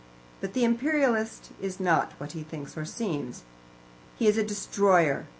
But the Imperialist is not what he thinks or seems. He is a destroyer.